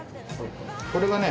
これがね